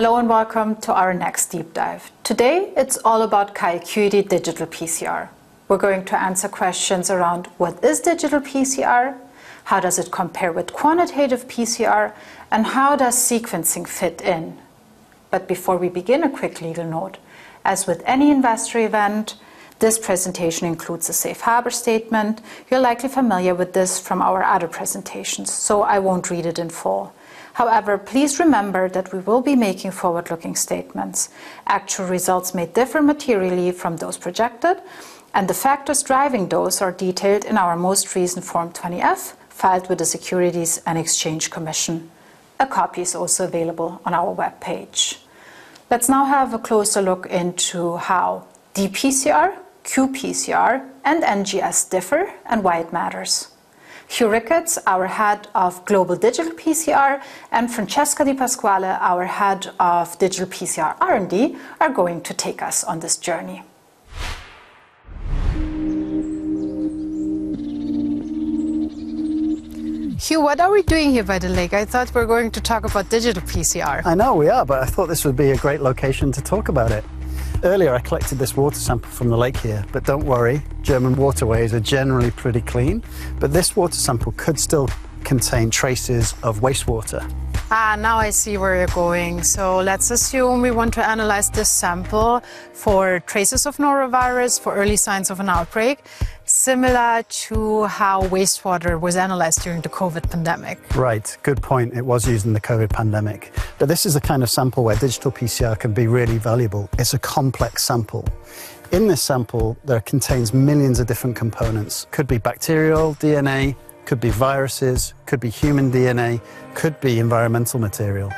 Hello and welcome to our next deep dive. Today, it's all about QIAcuity digital PCR. We're going to answer questions around what is digital PCR, how does it compare with quantitative PCR, and how does sequencing fit in. Before we begin, a quick legal note. As with any investor event, this presentation includes a safe harbor statement. You're likely familiar with this from our other presentations, so I won't read it in full. Please remember that we will be making forward-looking statements. Actual results may differ materially from those projected, and the factors driving those are detailed in our most recent Form 20-F filed with the Securities and Exchange Commission. A copy is also available on our webpage. Let's now have a closer look into how dPCR, qPCR, and NGS differ and why it matters. Huw Rickards, our Head of Global Digital PCR, and Francesca Di Pasquale, our Head of Digital PCR R&D, are going to take us on this journey. Huw, what are we doing here by the lake? I thought we were going to talk about digital PCR. I know we are. I thought this would be a great location to talk about it. Earlier, I collected this water sample from the lake here. Don't worry, German waterways are generally pretty clean. This water sample could still contain traces of wastewater. Now I see where you're going. Let's assume we want to analyze this sample for traces of norovirus for early signs of an outbreak, similar to how wastewater was analyzed during the COVID pandemic. Right. Good point. It was used in the COVID pandemic. This is the kind of sample where digital PCR can be really valuable. It's a complex sample. In this sample, there contains millions of different components. Could be bacterial DNA, could be viruses, could be human DNA, could be environmental material.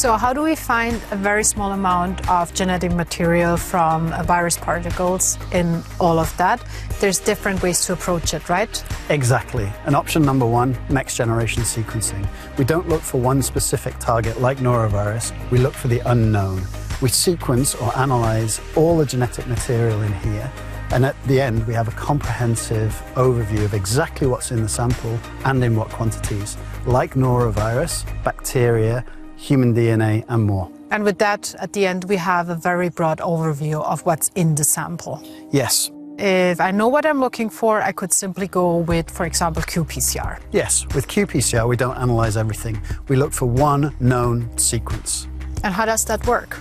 How do we find a very small amount of genetic material from virus particles in all of that? There's different ways to approach it, right? Exactly. An option number 1, next-generation sequencing. We don't look for one specific target like norovirus. We look for the unknown. We sequence or analyze all the genetic material in here. At the end, we have a comprehensive overview of exactly what's in the sample and in what quantities, like norovirus, bacteria, human DNA, and more. With that, at the end, we have a very broad overview of what's in the sample. Yes. If I know what I'm looking for, I could simply go with, for example, qPCR. Yes. With qPCR, we don't analyze everything. We look for one known sequence. How does that work?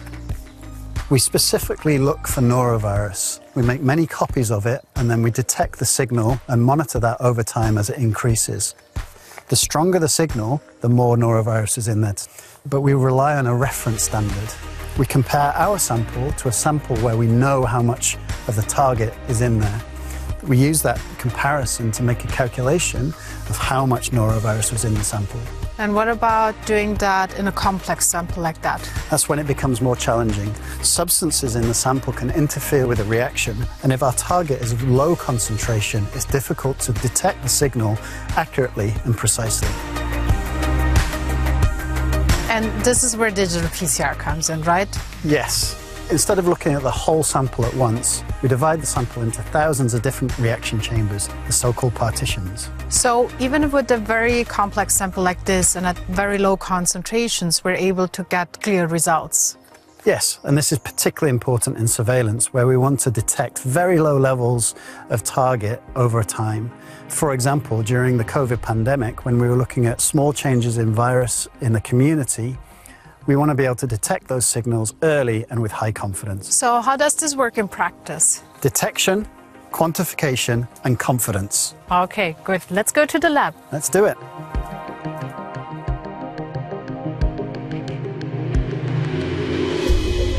We specifically look for norovirus. We make many copies of it, then we detect the signal and monitor that over time as it increases. The stronger the signal, the more norovirus is in it. We rely on a reference standard. We compare our sample to a sample where we know how much of the target is in there. We use that comparison to make a calculation of how much norovirus was in the sample. What about doing that in a complex sample like that? That's when it becomes more challenging. Substances in the sample can interfere with the reaction. If our target is of low concentration, it's difficult to detect the signal accurately and precisely. This is where digital PCR comes in, right? Yes. Instead of looking at the whole sample at once, we divide the sample into thousands of different reaction chambers, the so-called partitions. Even with a very complex sample like this and at very low concentrations, we're able to get clear results. This is particularly important in surveillance, where we want to detect very low levels of target over time. For example, during the COVID pandemic, when we were looking at small changes in virus in the community, we want to be able to detect those signals early and with high confidence. How does this work in practice? Detection, quantification, and confidence. Okay, good. Let's go to the lab. Let's do it.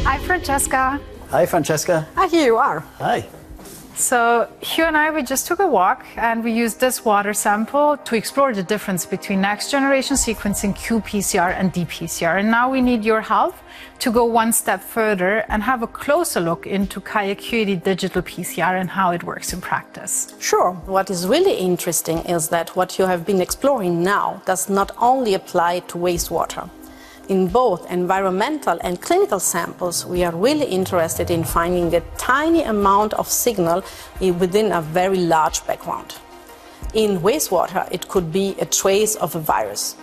Hi, Francesca. Hi, Francesca. Here you are. Hi. Huw and I, we just took a walk, and we used this water sample to explore the difference between next-generation sequencing qPCR and dPCR. Now we need your help to go one step further and have a closer look into QIAcuity digital PCR and how it works in practice. Sure. What is really interesting is that what you have been exploring now does not only apply to wastewater. In both environmental and clinical samples, we are really interested in finding a tiny amount of signal within a very large background. In wastewater, it could be a trace of a virus.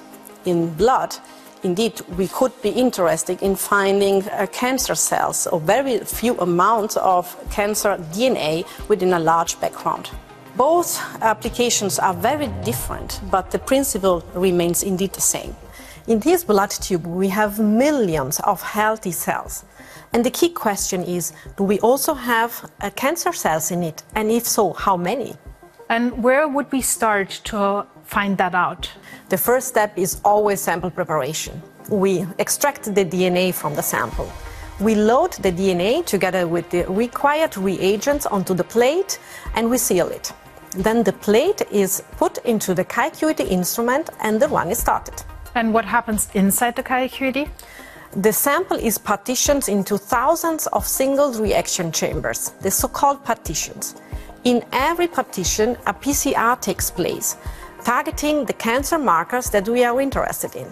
In blood, indeed, we could be interested in finding cancer cells or very few amounts of cancer DNA within a large background. Both applications are very different, but the principle remains indeed the same. In this blood tube, we have millions of healthy cells, and the key question is: Do we also have cancer cells in it, and if so, how many? Where would we start to find that out? The first step is always sample preparation. We extract the DNA from the sample. We load the DNA together with the required reagents onto the plate, we seal it. The plate is put into the QIAcuity instrument, and the run is started. What happens inside the QIAcuity? The sample is partitioned into thousands of single reaction chambers, the so-called partitions. In every partition, a PCR takes place, targeting the cancer markers that we are interested in.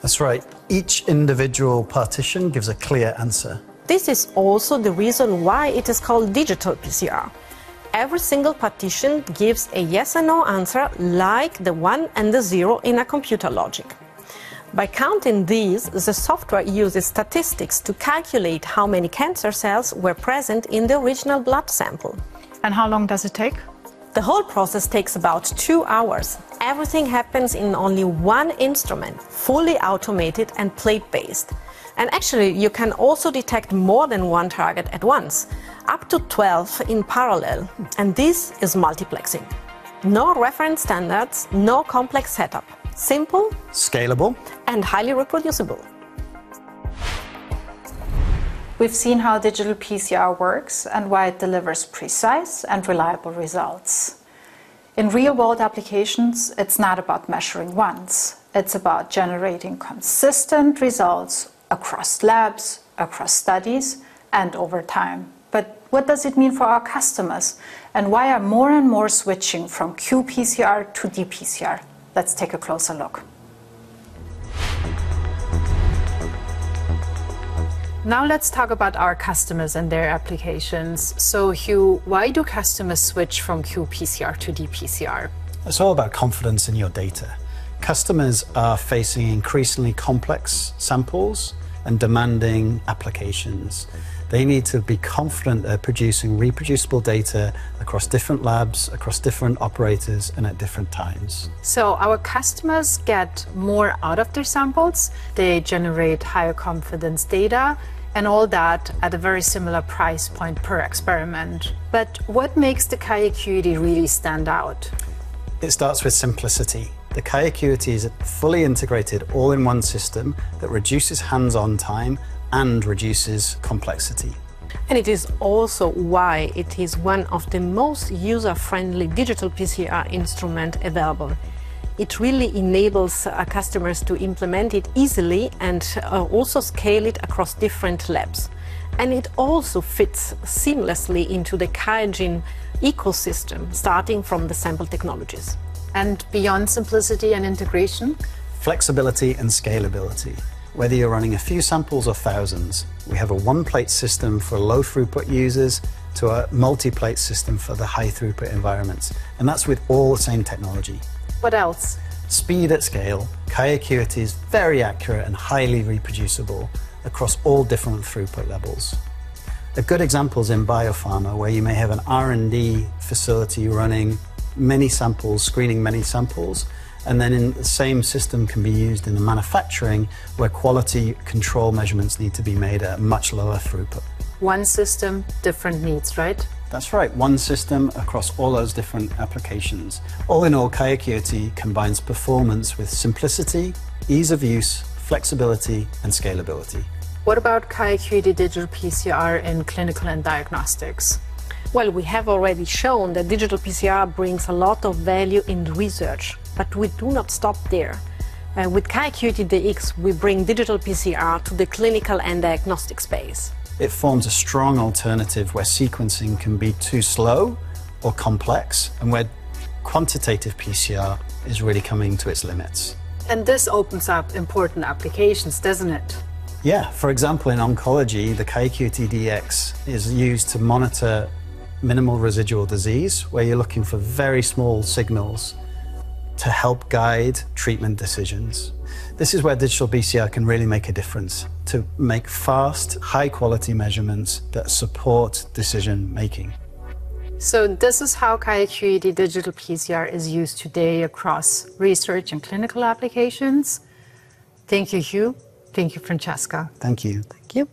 That's right. Each individual partition gives a clear answer. This is also the reason why it is called digital PCR. Every single partition gives a yes or no answer, like the one and the zero in a computer logic. By counting these, the software uses statistics to calculate how many cancer cells were present in the original blood sample. How long does it take? The whole process takes about two hours. Everything happens in only one instrument, fully automated and plate-based. Actually, you can also detect more than one target at once, up to 12 in parallel. This is multiplexing. No reference standards, no complex setup. Simple. Scalable Highly reproducible. We've seen how digital PCR works and why it delivers precise and reliable results. In real-world applications, it's not about measuring once. It's about generating consistent results across labs, across studies, and over time. What does it mean for our customers, and why are more and more switching from qPCR to dPCR? Let's take a closer look. Let's talk about our customers and their applications. Huw, why do customers switch from qPCR to dPCR? It's all about confidence in your data. Customers are facing increasingly complex samples and demanding applications. They need to be confident they're producing reproducible data across different labs, across different operators, and at different times. Our customers get more out of their samples, they generate higher confidence data, and all that at a very similar price point per experiment. What makes the QIAcuity really stand out? It starts with simplicity. The QIAcuity is a fully integrated all-in-one system that reduces hands-on time and reduces complexity. It is also why it is one of the most user-friendly digital PCR instrument available. It really enables our customers to implement it easily and also scale it across different labs. It also fits seamlessly into the QIAGEN ecosystem, starting from the sample technologies. Beyond simplicity and integration? Flexibility and scalability. Whether you're running a few samples or thousands, we have a one-plate system for low-throughput users to a multi-plate system for the high-throughput environments, and that's with all the same technology. What else? Speed at scale. QIAcuity is very accurate and highly reproducible across all different throughput levels. A good example is in biopharma, where you may have an R&D facility running many samples, screening many samples, and then in the same system can be used in the manufacturing, where quality control measurements need to be made at much lower throughput. One system, different needs, right? That's right. One system across all those different applications. All in all, QIAcuity combines performance with simplicity, ease of use, flexibility, and scalability. What about QIAcuity digital PCR in clinical and diagnostics? Well, we have already shown that digital PCR brings a lot of value in research, but we do not stop there. With QIAcuityDx, we bring digital PCR to the clinical and diagnostic space. It forms a strong alternative where sequencing can be too slow or complex, and where quantitative PCR is really coming to its limits. This opens up important applications, doesn't it? Yeah. For example, in oncology, the QIAcuityDx is used to monitor minimal residual disease, where you're looking for very small signals to help guide treatment decisions. This is where digital PCR can really make a difference, to make fast, high-quality measurements that support decision-making. This is how QIAcuity digital PCR is used today across research and clinical applications. Thank you, Huw. Thank you, Francesca. Thank you. Thank you.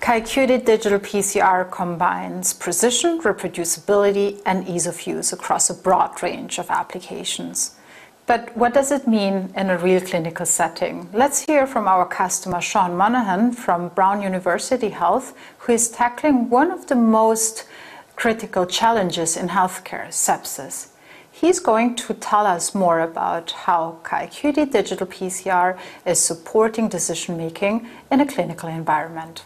QIAcuity digital PCR combines precision, reproducibility, and ease of use across a broad range of applications. What does it mean in a real clinical setting? Let's hear from our customer, Sean Monaghan, from Brown University Health, who is tackling one of the most critical challenges in healthcare, sepsis. He's going to tell us more about how QIAcuity digital PCR is supporting decision-making in a clinical environment.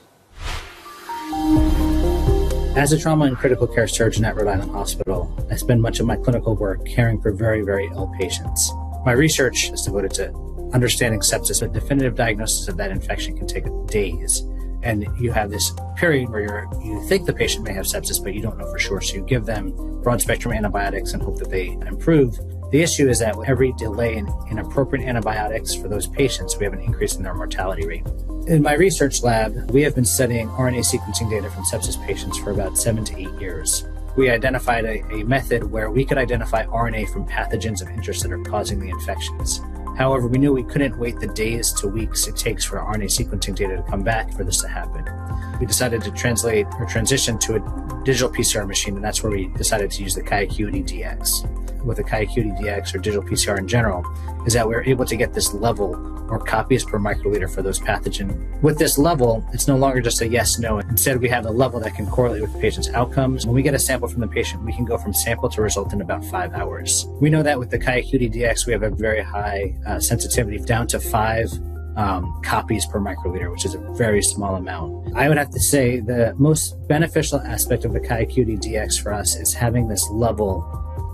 As a trauma and critical care surgeon at Rhode Island Hospital, I spend much of my clinical work caring for very, very ill patients. My research is devoted to understanding sepsis. A definitive diagnosis of that infection can take days, and you have this period where you think the patient may have sepsis, but you don't know for sure, so you give them broad-spectrum antibiotics and hope that they improve. The issue is that with every delay in appropriate antibiotics for those patients, we have an increase in their mortality rate. In my research lab, we have been studying RNA sequencing data from sepsis patients for about seven to eight years. We identified a method where we could identify RNA from pathogens of interest that are causing the infections. We knew we couldn't wait the days to weeks it takes for RNA sequencing data to come back for this to happen. We decided to translate or transition to a digital PCR machine, and that's where we decided to use the QIAcuityDx. With the QIAcuityDx, or digital PCR in general, is that we're able to get this level of copies per microliter for those pathogen. With this level, it's no longer just a yes/no. Instead, we have a level that can correlate with the patient's outcomes. When we get a sample from the patient, we can go from sample to result in about five hours. We know that with the QIAcuityDx, we have a very high sensitivity, down to five copies per microliter, which is a very small amount. I would have to say the most beneficial aspect of the QIAcuityDx for us is having this level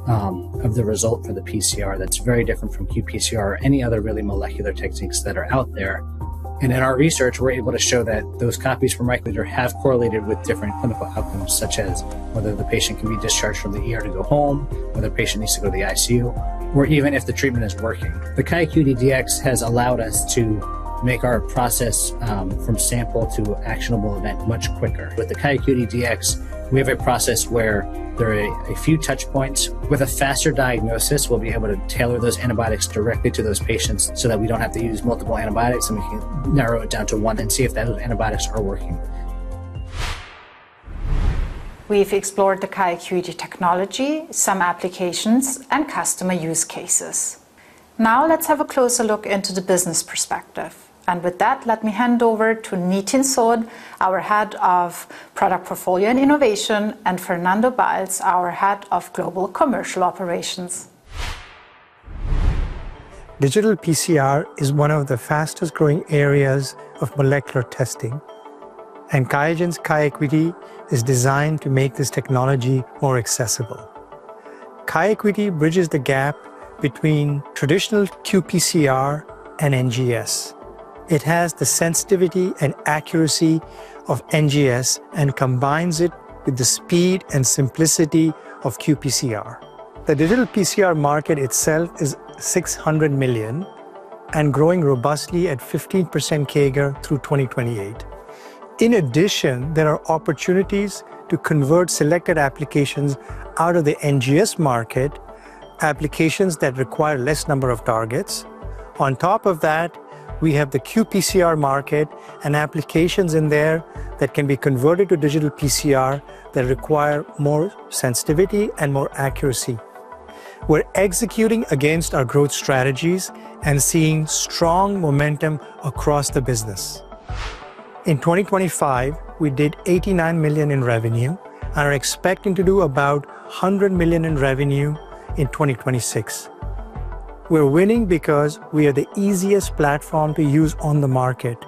of the result for the PCR that's very different from qPCR or any other really molecular techniques that are out there. In our research, we're able to show that those copies from microliter have correlated with different clinical outcomes, such as whether the patient can be discharged from the ER to go home, or the patient needs to go to the ICU, or even if the treatment is working. The QIAcuityDx has allowed us to make our process from sample to actionable event much quicker. With the QIAcuityDx, we have a process where there are a few touch points. With a faster diagnosis, we'll be able to tailor those antibiotics directly to those patients so that we don't have to use multiple antibiotics, we can narrow it down to one and see if that antibiotics are working. We've explored the QIAcuity technology, some applications, and customer use cases. Now let's have a closer look into the business perspective. With that, let me hand over to Nitin Sood, our Head of Product Portfolio & Innovation, and Fernando Beils, our Head of Global Commercial Operations. Digital PCR is one of the fastest-growing areas of molecular testing. QIAGEN's QIAcuity is designed to make this technology more accessible. QIAcuity bridges the gap between traditional qPCR and NGS. It has the sensitivity and accuracy of NGS and combines it with the speed and simplicity of qPCR. The digital PCR market itself is $600 million and growing robustly at 15% CAGR through 2028. In addition, there are opportunities to convert selected applications out of the NGS market, applications that require less number of targets. On top of that, we have the qPCR market and applications in there that can be converted to digital PCR that require more sensitivity and more accuracy. We're executing against our growth strategies and seeing strong momentum across the business. In 2025, we did $89 million in revenue and are expecting to do about $100 million in revenue in 2026. We're winning because we are the easiest platform to use on the market.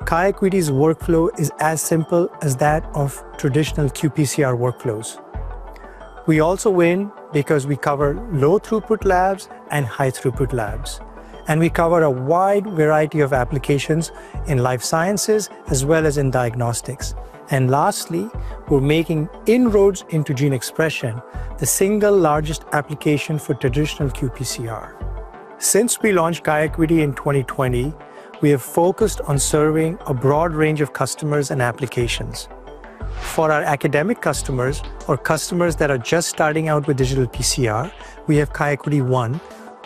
QIAcuity's workflow is as simple as that of traditional qPCR workflows. We also win because we cover low throughput labs and high throughput labs, and we cover a wide variety of applications in life sciences as well as in diagnostics. Lastly, we're making inroads into gene expression, the single largest application for traditional qPCR. Since we launched QIAcuity in 2020, we have focused on serving a broad range of customers and applications. For our academic customers or customers that are just starting out with digital PCR, we have QIAcuity One,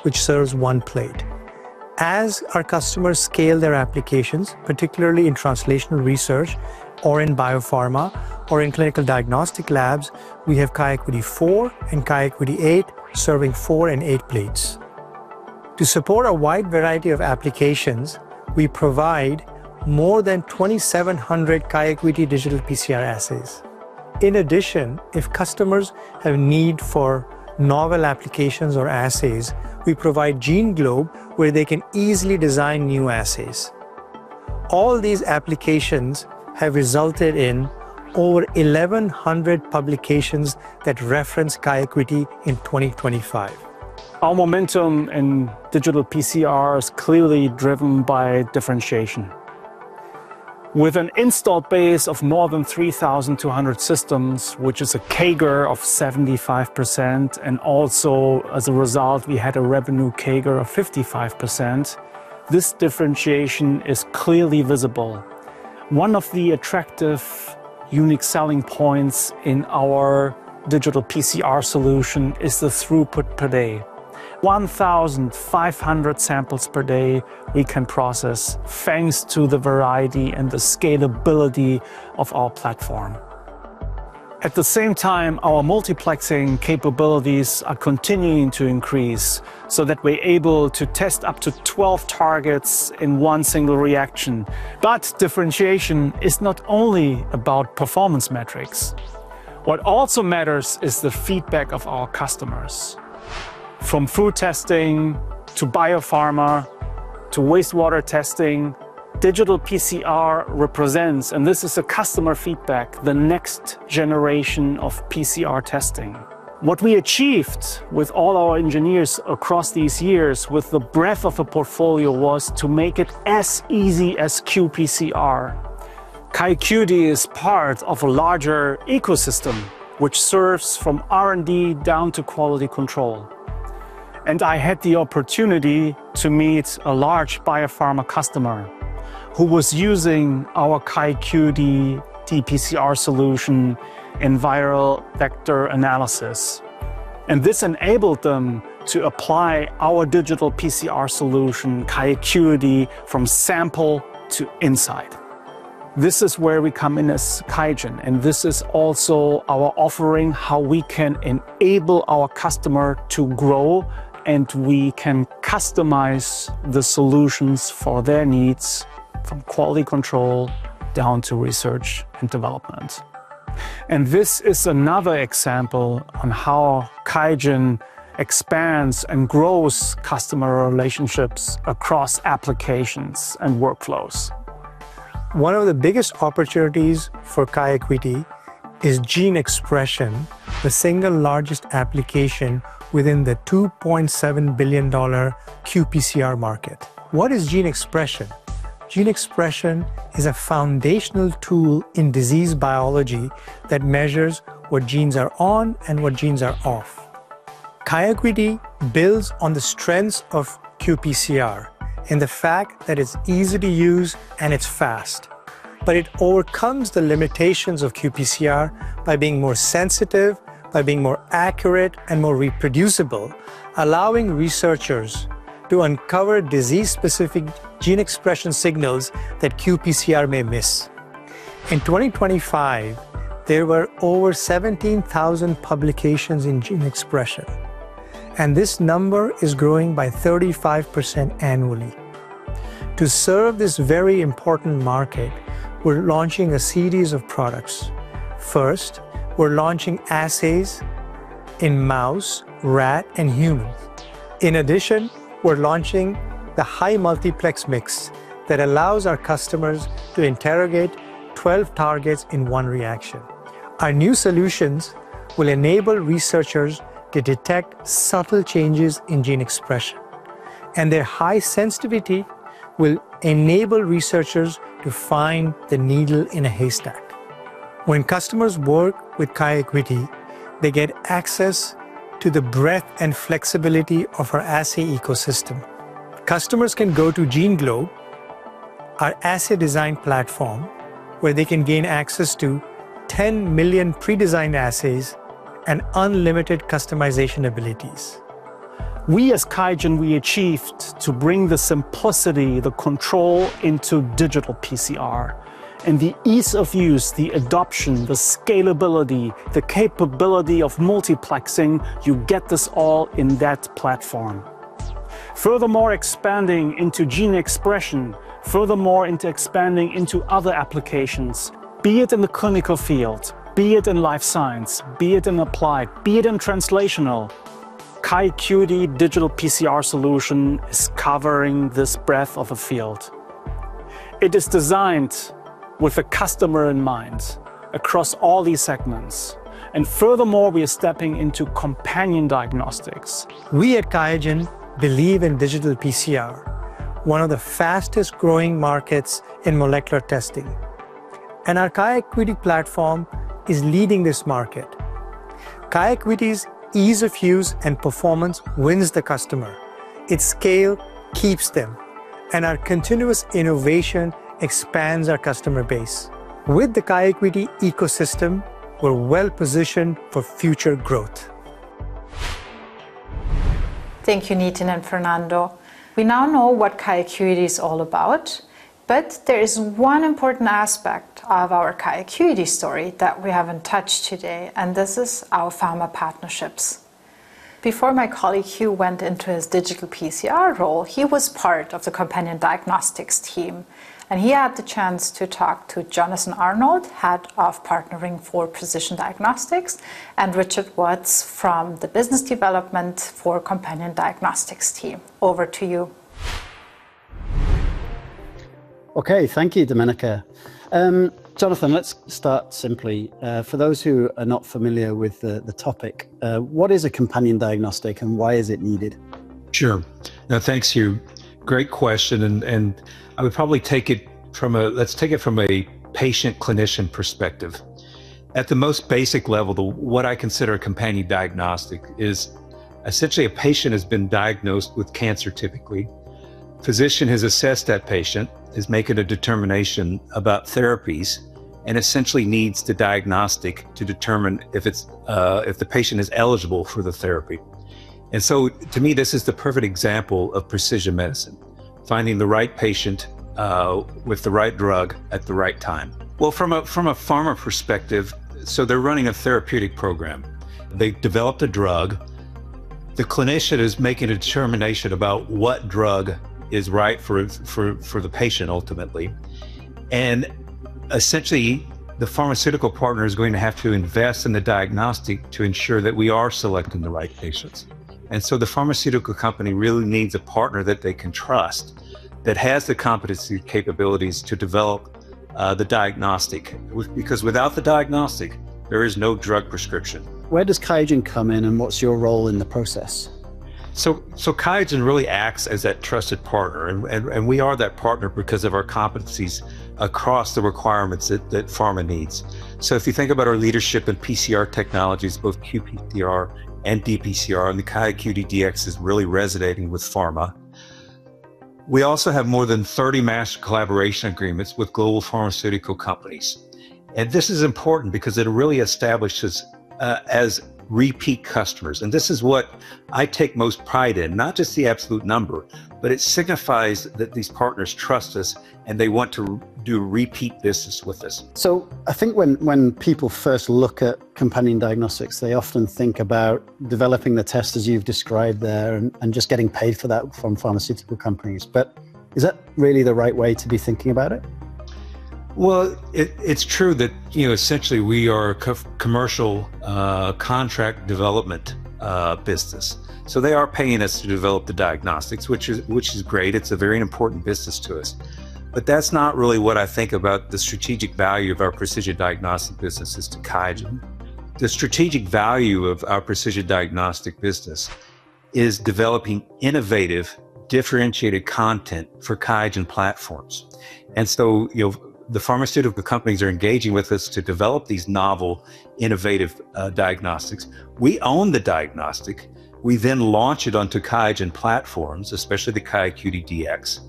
which serves one plate. As our customers scale their applications, particularly in translational research or in biopharma or in clinical diagnostic labs, we have QIAcuity Four and QIAcuity Eight, serving four and eight plates. To support a wide variety of applications, we provide more than 2,700 QIAcuity digital PCR assays. In addition, if customers have need for novel applications or assays, we provide GeneGlobe where they can easily design new assays. All these applications have resulted in over 1,100 publications that reference QIAcuity in 2025. Our momentum in digital PCR is clearly driven by differentiation. With an installed base of more than 3,200 systems, which is a CAGR of 75%, and also as a result, we had a revenue CAGR of 55%, this differentiation is clearly visible. One of the attractive unique selling points in our digital PCR solution is the throughput per day. 1,500 samples per day we can process thanks to the variety and the scalability of our platform. At the same time, our multiplexing capabilities are continuing to increase so that we're able to test up to 12 targets in one single reaction. Differentiation is not only about performance metrics. What also matters is the feedback of our customers. From food testing to biopharma to wastewater testing, digital PCR represents, and this is a customer feedback, the next generation of PCR testing. What we achieved with all our engineers across these years with the breadth of a portfolio was to make it as easy as qPCR. QIAcuity is part of a larger ecosystem which serves from R&D down to quality control, and I had the opportunity to meet a large biopharma customer who was using our QIAcuity dPCR solution in viral vector analysis, and this enabled them to apply our digital PCR solution, QIAcuity, from sample to insight. This is where we come in as QIAGEN, and this is also our offering, how we can enable our customer to grow, and we can customize the solutions for their needs from quality control down to research and development. This is another example on how QIAGEN expands and grows customer relationships across applications and workflows. One of the biggest opportunities for QIAcuity is gene expression, the single largest application within the $2.7 billion qPCR market. What is gene expression? Gene expression is a foundational tool in disease biology that measures what genes are on and what genes are off. QIAcuity builds on the strengths of qPCR, and the fact that it's easy to use and it's fast, but it overcomes the limitations of qPCR by being more sensitive, by being more accurate and more reproducible, allowing researchers to uncover disease-specific gene expression signals that qPCR may miss. In 2025, there were over 17,000 publications in gene expression, and this number is growing by 35% annually. To serve this very important market, we're launching a series of products. First, we're launching assays in mouse, rat, and human. In addition, we're launching the high multiplex mix that allows our customers to interrogate 12 targets in one reaction. Our new solutions will enable researchers to detect subtle changes in gene expression, and their high sensitivity will enable researchers to find the needle in a haystack. When customers work with QIAcuity, they get access to the breadth and flexibility of our assay ecosystem. Customers can go to GeneGlobe, our assay design platform, where they can gain access to 10 million pre-designed assays and unlimited customization abilities. We, as QIAGEN, achieved to bring the simplicity, the control into digital PCR, and the ease of use, the adoption, the scalability, the capability of multiplexing, you get this all in that platform. Furthermore, expanding into gene expression, furthermore into expanding into other applications, be it in the clinical field, be it in life science, be it in applied, be it in translational, QIAcuity digital PCR solution is covering this breadth of a field. It is designed with the customer in mind across all these segments. Furthermore, we are stepping into companion diagnostics. We at QIAGEN believe in digital PCR, one of the fastest-growing markets in molecular testing. Our QIAcuity platform is leading this market. QIAcuity's ease of use and performance wins the customer. Its scale keeps them. Our continuous innovation expands our customer base. With the QIAcuity ecosystem, we're well-positioned for future growth. Thank you, Nitin and Fernando. We now know what QIAcuity's all about, there is one important aspect of our QIAcuity story that we haven't touched today, this is our pharma partnerships. Before my colleague, Huw, went into his digital PCR role, he was part of the companion diagnostics team, he had the chance to talk to Jonathan Arnold, Head of Partnering for Precision Diagnostics, and Richard Woods from the Business Development for Companion Diagnostics Team. Over to you. Okay. Thank you, Domenica. Jonathan, let's start simply. For those who are not familiar with the topic, what is a companion diagnostic, why is it needed? Sure. No, thanks, Huw. Great question, let's take it from a patient-clinician perspective. At the most basic level, what I consider a companion diagnostic is essentially a patient has been diagnosed with cancer, typically. Physician has assessed that patient, is making a determination about therapies, essentially needs the diagnostic to determine if the patient is eligible for the therapy. To me, this is the perfect example of precision medicine, finding the right patient with the right drug at the right time. From a pharma perspective, they're running a therapeutic program. They've developed a drug. The clinician is making a determination about what drug is right for the patient, ultimately. Essentially, the pharmaceutical partner is going to have to invest in the diagnostic to ensure that we are selecting the right patients. The pharmaceutical company really needs a partner that they can trust, that has the competency capabilities to develop the diagnostic, because without the diagnostic, there is no drug prescription. Where does QIAGEN come in, and what's your role in the process? QIAGEN really acts as that trusted partner, and we are that partner because of our competencies across the requirements that pharma needs. If you think about our leadership in PCR technologies, both qPCR and dPCR, the QIAcuityDx is really resonating with pharma. We also have more than 30 master collaboration agreements with global pharmaceutical companies, and this is important because it really establishes us as repeat customers, and this is what I take most pride in. Not just the absolute number, but it signifies that these partners trust us and they want to do repeat business with us. I think when people first look at companion diagnostics, they often think about developing the test as you've described there, and just getting paid for that from pharmaceutical companies, is that really the right way to be thinking about it? It's true that essentially we are a commercial contract development business. They are paying us to develop the diagnostics, which is great. It's a very important business to us. That's not really what I think about the strategic value of our precision diagnostics business is to QIAGEN. The strategic value of our precision diagnostics business is developing innovative, differentiated content for QIAGEN platforms. The pharmaceutical companies are engaging with us to develop these novel, innovative diagnostics. We own the diagnostic, we then launch it onto QIAGEN platforms, especially the QIAcuityDx.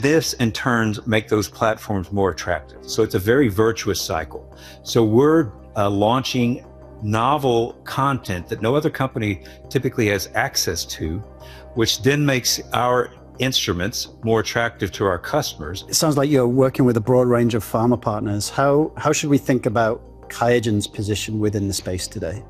This, in turn, makes those platforms more attractive. It's a very virtuous cycle. We're launching novel content that no other company typically has access to, which then makes our instruments more attractive to our customers. It sounds like you're working with a broad range of pharma partners. How should we think about QIAGEN's position within the space today?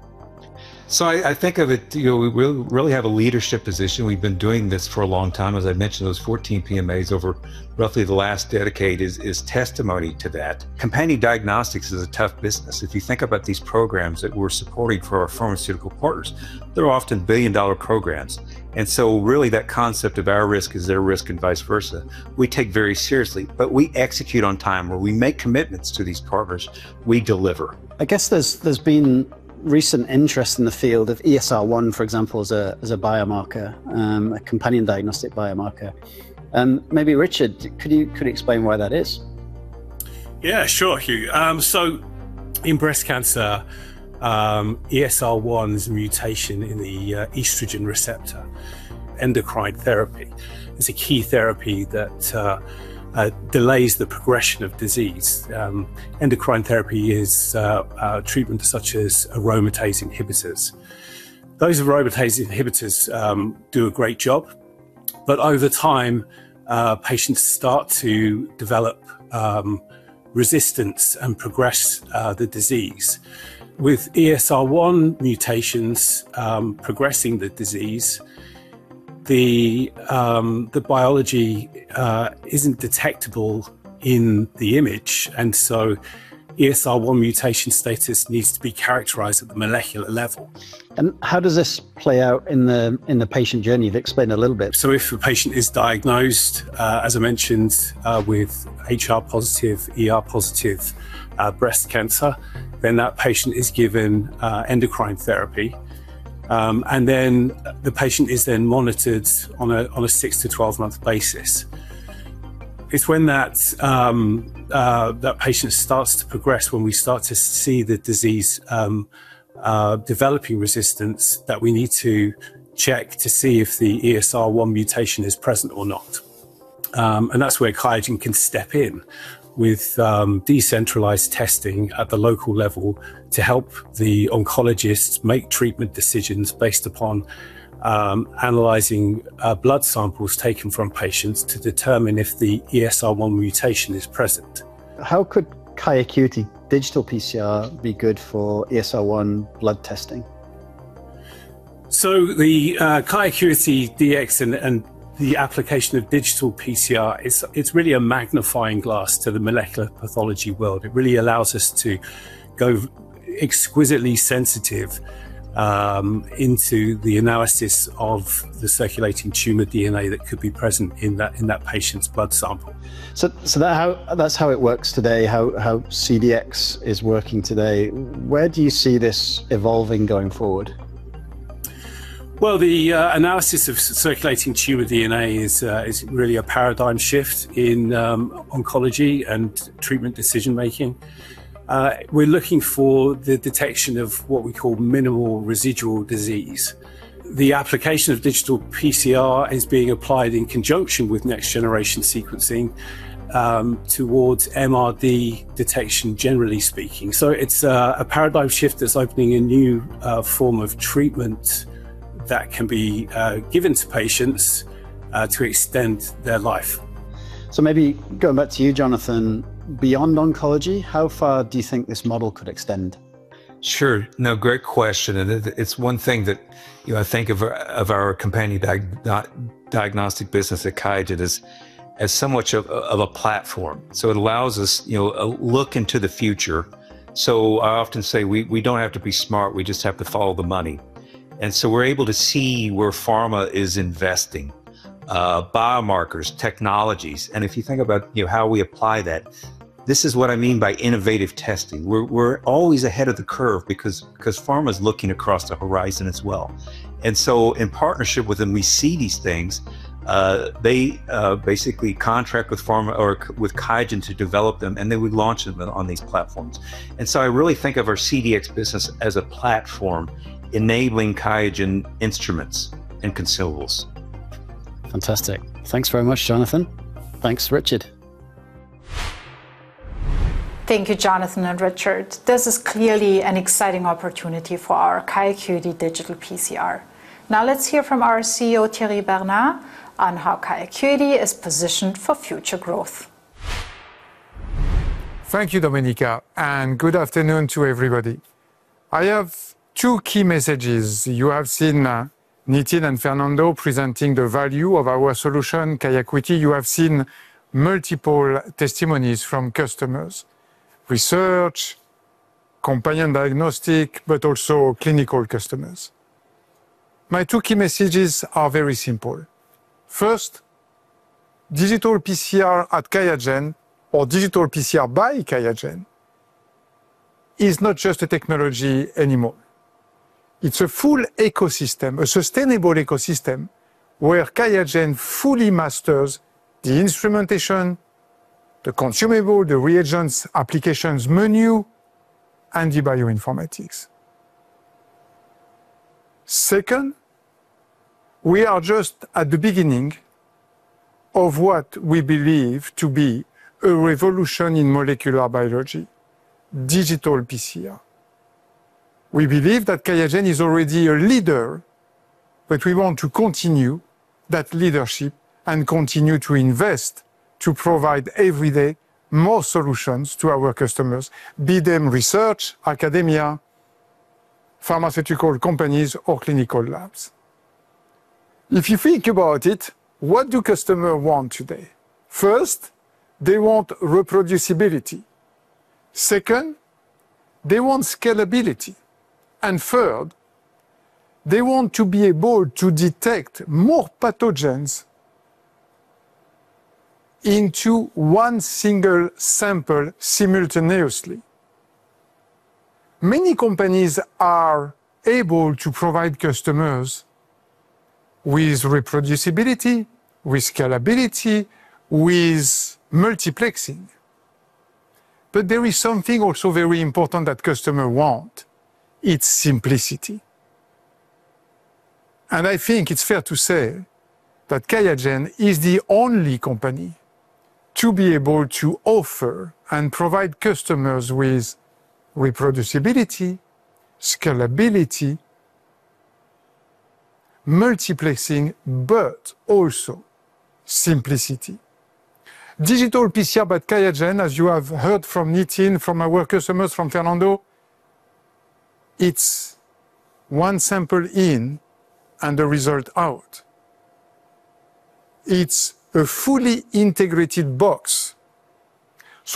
I think of it, we really have a leadership position. We've been doing this for a long time. As I mentioned, those 14 PMAs over roughly the last decade is testimony to that. Companion diagnostics is a tough business. If you think about these programs that we're supporting for our pharmaceutical partners, they're often billion-dollar programs, really that concept of our risk is their risk and vice versa, we take very seriously. We execute on time. Where we make commitments to these partners, we deliver. I guess there's been recent interest in the field of ESR1, for example, as a biomarker, a companion diagnostic biomarker. Richard, could you explain why that is? Yeah, sure, Huw. In breast cancer, ESR1 is a mutation in the estrogen receptor. Endocrine therapy is a key therapy that delays the progression of disease. Endocrine therapy is treatments such as aromatase inhibitors. Those aromatase inhibitors do a great job, but over time, patients start to develop resistance and progress the disease. With ESR1 mutations progressing the disease, the biology isn't detectable in the image, and so ESR1 mutation status needs to be characterized at the molecular level. How does this play out in the patient journey? Explain a little bit. If a patient is diagnosed, as I mentioned, with HR-positive, ER-positive breast cancer, then that patient is given endocrine therapy, and then the patient is then monitored on a 6-12 month basis. It's when that patient starts to progress, when we start to see the disease developing resistance, that we need to check to see if the ESR1 mutation is present or not. That's where QIAGEN can step in with decentralized testing at the local level to help the oncologists make treatment decisions based upon analyzing blood samples taken from patients to determine if the ESR1 mutation is present. How could QIAcuity digital PCR be good for ESR1 blood testing? The QIAcuityDx and the application of digital PCR is really a magnifying glass to the molecular pathology world. It really allows us to go exquisitely sensitive into the analysis of the circulating tumor DNA that could be present in that patient's blood sample. That's how it works today, how CDx is working today. Where do you see this evolving going forward? Well, the analysis of circulating tumor DNA is really a paradigm shift in oncology and treatment decision making. We're looking for the detection of what we call minimal residual disease. The application of digital PCR is being applied in conjunction with next-generation sequencing, towards MRD detection, generally speaking. It's a paradigm shift that's opening a new form of treatment that can be given to patients, to extend their life. Going back to you, Jonathan, beyond oncology, how far do you think this model could extend? Sure. Great question, and it's one thing that I think of our companion diagnostic business at QIAGEN as somewhat of a platform. It allows us a look into the future. I often say we don't have to be smart, we just have to follow the money. We're able to see where pharma is investing, biomarkers, technologies, and if you think about how we apply that, this is what I mean by innovative testing. We're always ahead of the curve because pharma's looking across the horizon as well. In partnership with them, we see these things, they basically contract with QIAGEN to develop them, and then we launch them on these platforms. I really think of our CDx business as a platform enabling QIAGEN instruments and consumables. Fantastic. Thanks very much, Jonathan. Thanks, Richard. Thank you, Jonathan and Richard. This is clearly an exciting opportunity for our QIAcuity digital PCR. Let's hear from our CEO, Thierry Bernard, on how QIAcuity is positioned for future growth. Thank you, Domenica, and good afternoon to everybody. I have two key messages. You have seen Nitin and Fernando presenting the value of our solution, QIAcuity. You have seen multiple testimonies from customers, research, companion diagnostic, but also clinical customers. My two key messages are very simple. First, digital PCR at QIAGEN or digital PCR by QIAGEN is not just a technology anymore. It's a full ecosystem, a sustainable ecosystem where QIAGEN fully masters the instrumentation, the consumable, the reagents, applications menu, and the bioinformatics. Second, we are just at the beginning of what we believe to be a revolution in molecular biology, digital PCR. We believe that QIAGEN is already a leader, but we want to continue that leadership and continue to invest to provide every day more solutions to our customers, be them research, academia, pharmaceutical companies, or clinical labs. If you think about it, what do customer want today? First, they want reproducibility. Second, they want scalability. Third, they want to be able to detect more pathogens into one single sample simultaneously. Many companies are able to provide customers with reproducibility, with scalability, with multiplexing. There is something also very important that customer want. It's simplicity. I think it's fair to say that QIAGEN is the only company to be able to offer and provide customers with reproducibility, scalability, multiplexing, but also simplicity. Digital PCR by QIAGEN, as you have heard from Nitin, from our customers, from Fernando, it's one sample in and the result out. It's a fully integrated box.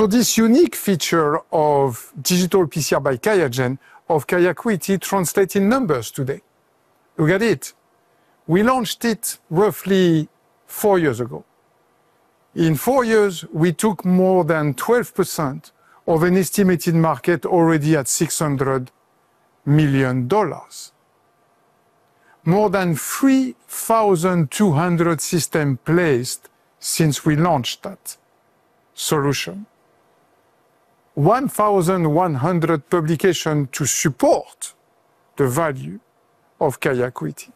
This unique feature of digital PCR by QIAGEN, of QIAcuity translate in numbers today. Look at it. We launched it roughly 4 years ago. In 4 years, we took more than 12% of an estimated market already at $600 million. More than 3,200 system placed since we launched that solution. 1,100 publication to support the value of QIAcuity.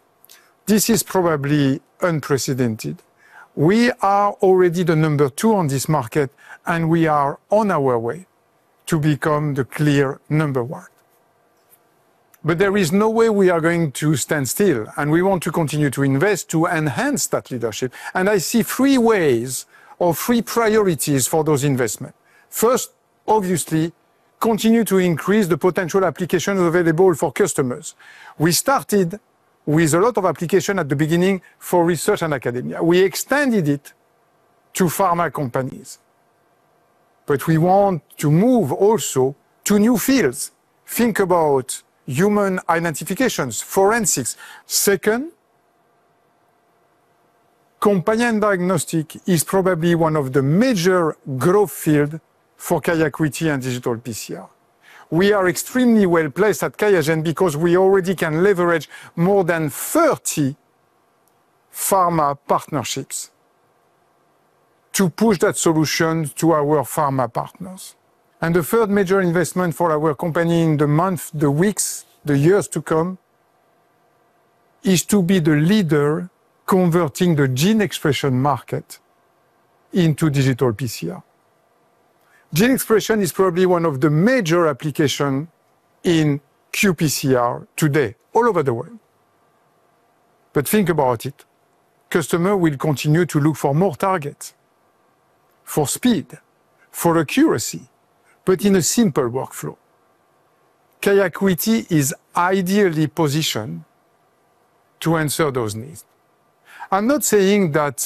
This is probably unprecedented. We are already the number 2 on this market, and we are on our way to become the clear number 1. There is no way we are going to stand still, and we want to continue to invest to enhance that leadership. I see three ways or three priorities for those investment. First, obviously, continue to increase the potential applications available for customers. We started with a lot of application at the beginning for research and academia. We extended it to pharma companies. We want to move also to new fields. Think about human identifications, forensics. Second, companion diagnostic is probably one of the major growth field for QIAcuity and digital PCR. We are extremely well-placed at QIAGEN because we already can leverage more than 30 pharma partnerships to push that solution to our pharma partners. The third major investment for our company in the month, the weeks, the years to come is to be the leader converting the gene expression market into digital PCR. Gene expression is probably one of the major application in qPCR today all over the world. Think about it. Customer will continue to look for more targets, for speed, for accuracy, but in a simple workflow. QIAcuity is ideally positioned to answer those needs. I'm not saying that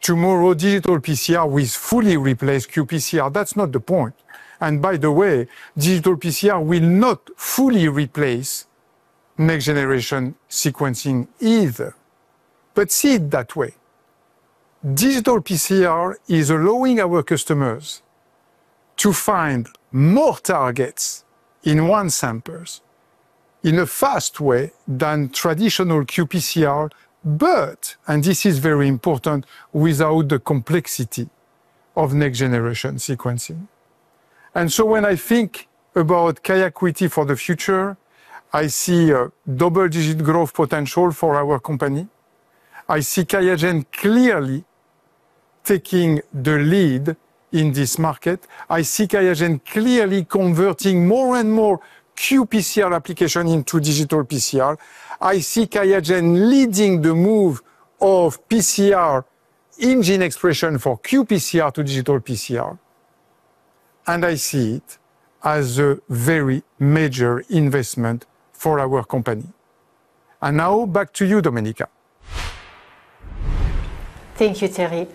tomorrow digital PCR will fully replace qPCR. That's not the point. By the way, digital PCR will not fully replace next-generation sequencing either. See it that way. Digital PCR is allowing our customers to find more targets in one samples in a fast way than traditional qPCR, but, and this is very important, without the complexity of next-generation sequencing. When I think about QIAcuity for the future, I see a double-digit growth potential for our company. I see QIAGEN clearly taking the lead in this market. I see QIAGEN clearly converting more and more qPCR application into digital PCR. I see QIAGEN leading the move of PCR in gene expression for qPCR to digital PCR, and I see it as a very major investment for our company. Now back to you, Domenica. Thank you, Thierry.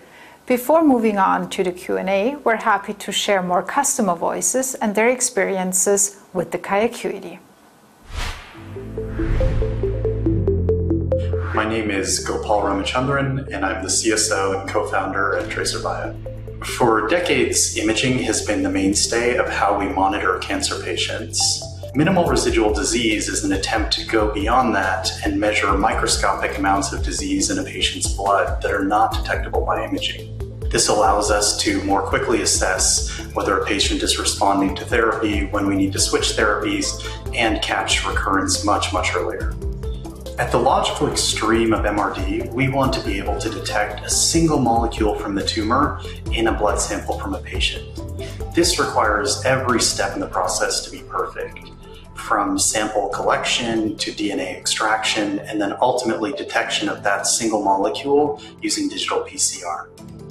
Before moving on to the Q&A, we're happy to share more customer voices and their experiences with the QIAcuity. My name is Gopal Ramachandran, and I'm the CSO and co-founder of Tracer Bio. For decades, imaging has been the mainstay of how we monitor cancer patients. Minimal residual disease is an attempt to go beyond that and measure microscopic amounts of disease in a patient's blood that are not detectable by imaging. This allows us to more quickly assess whether a patient is responding to therapy, when we need to switch therapies, and catch recurrence much, much earlier. At the logical extreme of MRD, we want to be able to detect a single molecule from the tumor in a blood sample from a patient. This requires every step in the process to be perfect, from sample collection to DNA extraction, and then ultimately detection of that single molecule using digital PCR.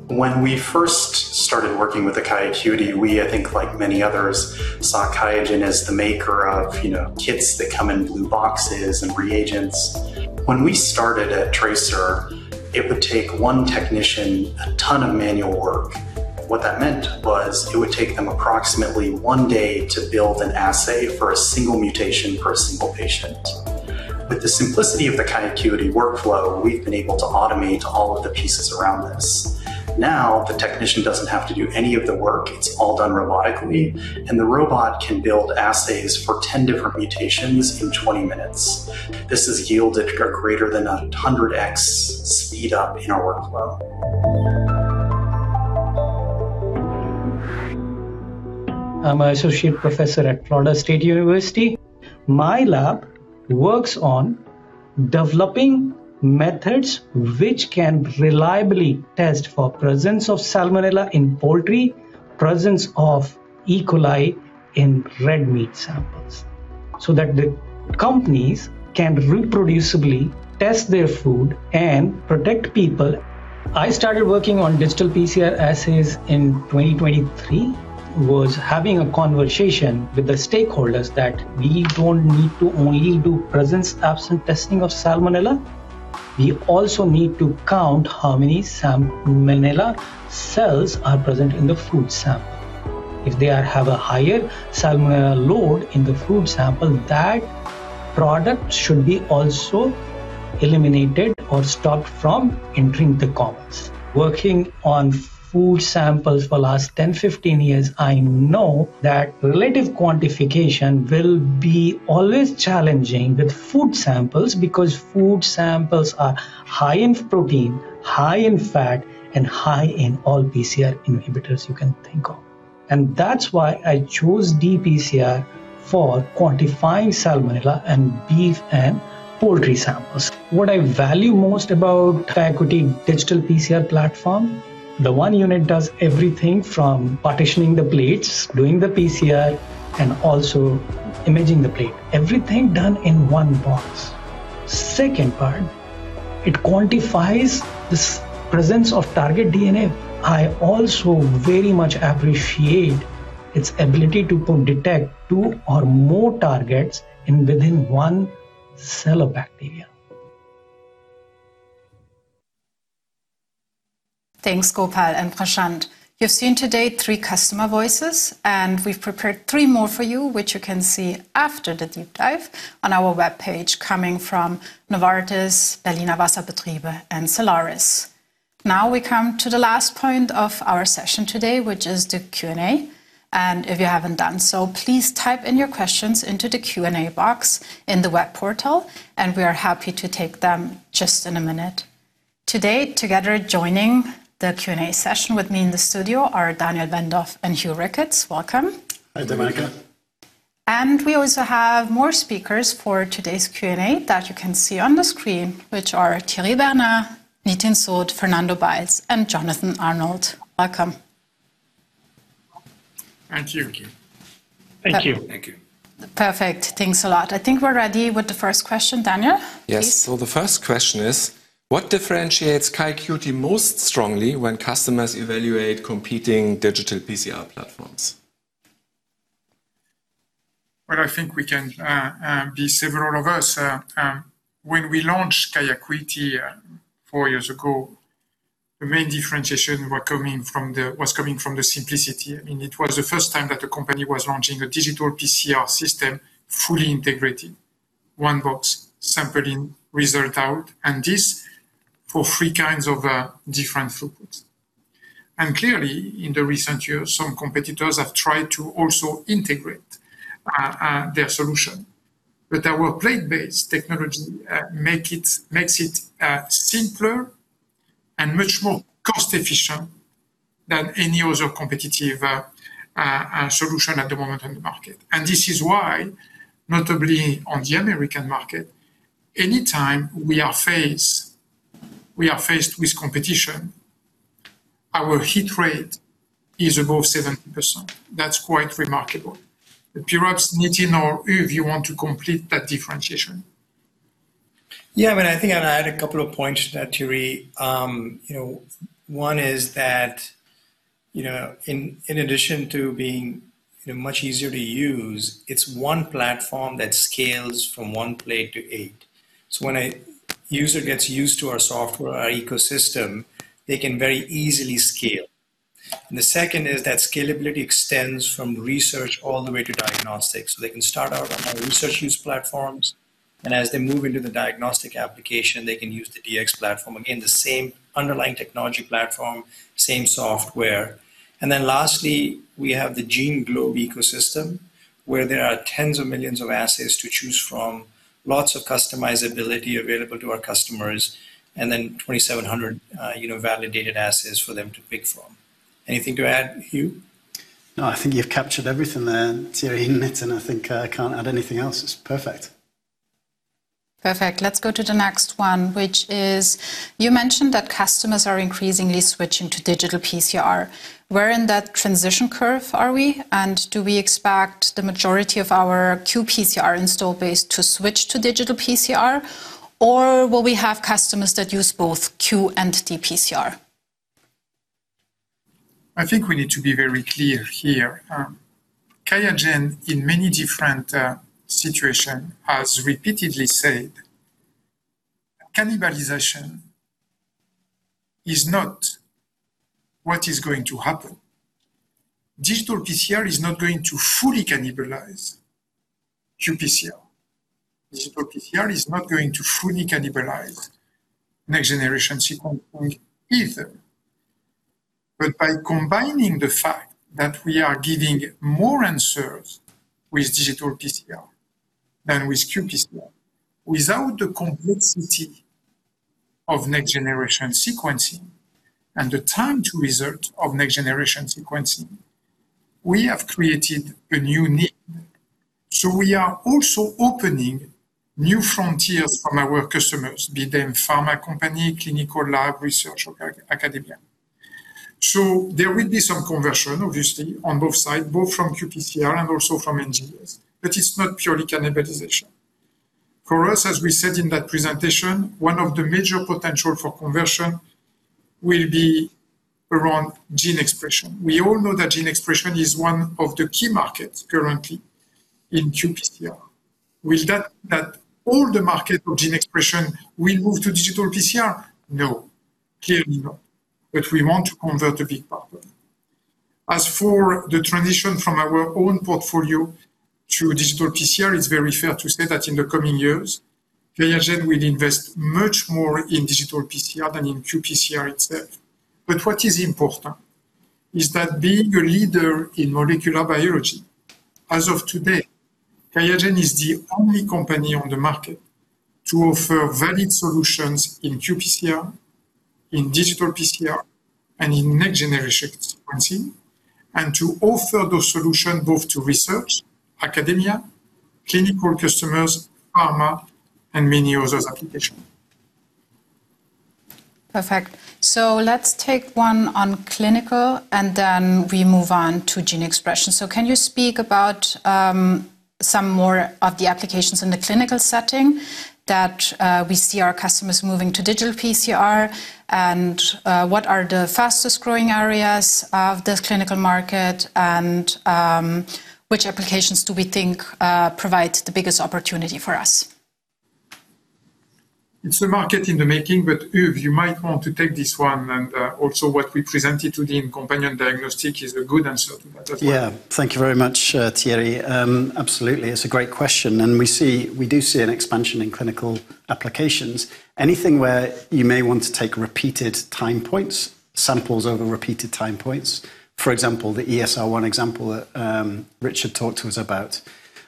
When we first started working with the QIAcuity, we, I think like many others, saw QIAGEN as the maker of kits that come in blue boxes and reagents. When we started at Tracer, it would take one technician a ton of manual work. What that meant was it would take them approximately one day to build an assay for a single mutation for a single patient. With the simplicity of the QIAcuity workflow, we've been able to automate all of the pieces around this. Now, the technician doesn't have to do any of the work. It's all done robotically, and the robot can build assays for 10 different mutations in 20 minutes. This has yielded a greater than 100x speedup in our workflow. I'm an associate professor at Florida State University. My lab works on developing methods which can reliably test for presence of Salmonella in poultry, presence of E. coli in red meat samples, so that the companies can reproducibly test their food and protect people. I started working on digital PCR assays in 2023, was having a conversation with the stakeholders that we don't need to only do presence/absence testing of Salmonella. We also need to count how many Salmonella cells are present in the food sample. If they have a higher Salmonella load in the food sample, that product should be also eliminated or stopped from entering the commerce. Working on food samples for last 10, 15 years, I know that relative quantification will be always challenging with food samples because food samples are high in protein, high in fat, and high in all PCR inhibitors you can think of. That's why I chose dPCR for quantifying Salmonella in beef and poultry samples. What I value most about QIAcuity digital PCR platform, the one unit does everything from partitioning the plates, doing the PCR, and also imaging the plate. Everything done in one box. Second part, it quantifies this presence of target DNA. I also very much appreciate its ability to detect two or more targets within one cell of bacteria. Thanks, Gopal and Prashant. You've seen today three customer voices, we've prepared three more for you, which you can see after the deep dive on our webpage coming from Novartis, Berliner Wasserbetriebe, and Cellares. Now we come to the last point of our session today, which is the Q&A. If you haven't done so, please type in your questions into the Q&A box in the web portal, we are happy to take them just in a minute. Today, together joining the Q&A session with me in the studio are Daniel Wendorff and Huw Rickards. Welcome. Hi, Domenica. We also have more speakers for today's Q&A that you can see on the screen, which are Thierry Bernard, Nitin Sood, Fernando Beils, and Jonathan Arnold. Welcome. Thank you. Thank you. Perfect. Thanks a lot. I think we're ready with the first question. Daniel, please. Yes. The first question is, what differentiates QIAcuity most strongly when customers evaluate competing digital PCR platforms? Well, I think we can be, several of us. When we launched QIAcuity four years ago, the main differentiation was coming from the simplicity. It was the first time that a company was launching a digital PCR system, fully integrated. One box sampling, result out, and this for three kinds of different throughputs. Clearly, in the recent years, some competitors have tried to also integrate their solution. Our plate-based technology makes it simpler and much more cost-efficient than any other competitive solution at the moment on the market. This is why, notably on the American market, any time we are faced with competition, our hit rate is above 70%. That's quite remarkable. Perhaps, Nitin or Huw, you want to complete that differentiation. Yeah, I think I'd add a couple of points to that, Thierry. In addition to being much easier to use, it's one platform that scales from one plate to eight. When a user gets used to our software, our ecosystem, they can very easily scale. The second is that scalability extends from research all the way to diagnostics. They can start out on our research use platforms, and as they move into the diagnostic application, they can use the Dx platform. Again, the same underlying technology platform, same software. Then lastly, we have the GeneGlobe ecosystem, where there are tens of millions of assays to choose from, lots of customizability available to our customers, and then 2,700 validated assays for them to pick from. Anything to add, Huw? No, I think you've captured everything there, Thierry, in it. I think I can't add anything else. It's perfect. Perfect. Let's go to the next one, which is, you mentioned that customers are increasingly switching to digital PCR. Where in that transition curve are we? Do we expect the majority of our qPCR install base to switch to digital PCR? Will we have customers that use both qPCR and dPCR? I think we need to be very clear here. QIAGEN, in many different situation, has repeatedly said cannibalization is not what is going to happen. Digital PCR is not going to fully cannibalize qPCR. Digital PCR is not going to fully cannibalize next-generation sequencing either. By combining the fact that we are giving more answers with digital PCR than with qPCR, without the complexity of next-generation sequencing and the time to result of next-generation sequencing, we have created a new need. We are also opening new frontiers for our customers, be they pharma company, clinical lab, research, or academia. There will be some conversion, obviously, on both sides, both from qPCR and also from NGS, but it's not purely cannibalization. For us, as we said in that presentation, one of the major potential for conversion will be around gene expression. We all know that gene expression is one of the key markets currently in qPCR. With that, all the market for gene expression will move to digital PCR? No. Clearly no. We want to convert a big part of it. As for the transition from our own portfolio to digital PCR, it's very fair to say that in the coming years, QIAGEN will invest much more in digital PCR than in qPCR itself. What is important is that being a leader in molecular biology, as of today, QIAGEN is the only company on the market to offer valid solutions in qPCR, in digital PCR, and in next-generation sequencing, and to offer those solutions both to research, academia, clinical customers, pharma, and many others application. Perfect. Let's take one on clinical, and then we move on to gene expression. Can you speak about some more of the applications in the clinical setting that we see our customers moving to digital PCR, and what are the fastest-growing areas of the clinical market, and which applications do we think provide the biggest opportunity for us? It's a market in the making, Huw, you might want to take this one, what we presented today in companion diagnostic is a good answer to that as well. Thank you very much, Thierry. Absolutely. It's a great question, we do see an expansion in clinical applications. Anything where you may want to take repeated time points, samples over repeated time points, for example, the ESR1 example that Richard talked to us about,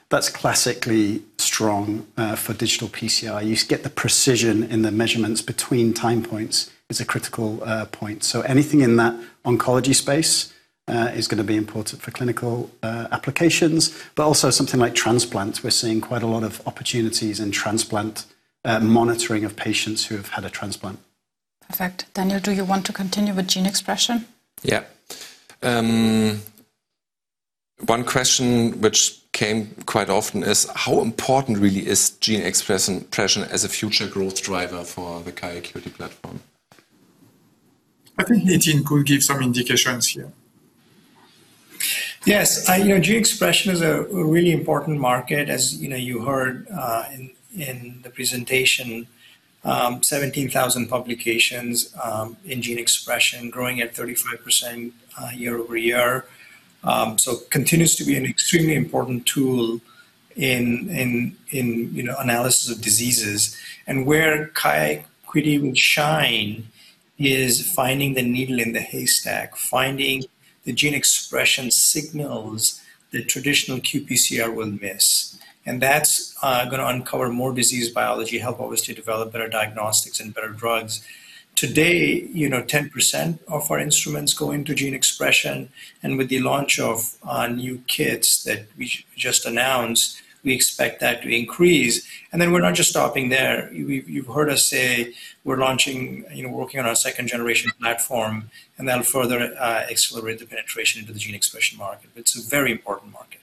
that's classically strong for digital PCR. You get the precision in the measurements between time points is a critical point. Anything in that oncology space is going to be important for clinical applications. Something like transplant. We're seeing quite a lot of opportunities in transplant monitoring of patients who have had a transplant. Perfect. Daniel, do you want to continue with gene expression? One question which came quite often is, how important really is gene expression as a future growth driver for the QIAcuity platform? I think Nitin could give some indications here. Yes. Gene expression is a really important market. As you heard in the presentation, 17,000 publications in gene expression, growing at 35% year-over-year. Continues to be an extremely important tool in analysis of diseases. Where QIAcuity will shine is finding the needle in the haystack, finding the gene expression signals that traditional qPCR will miss. That's going to uncover more disease biology, help us to develop better diagnostics and better drugs. Today, 10% of our instruments go into gene expression, with the launch of our new kits that we just announced, we expect that to increase. Then we're not just stopping there. You've heard us say we're working on our second-generation platform, that'll further accelerate the penetration into the gene expression market, it's a very important market.